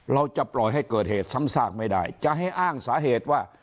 เราจะปล่อยให้เกิดเหตุซ้ำซากไม่ได้จะให้อ้างสาเหตุว่า